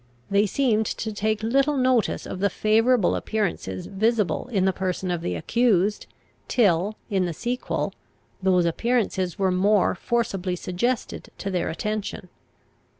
They seemed to take little notice of the favourable appearances visible in the person of the accused, till, in the sequel, those appearances were more forcibly suggested to their attention.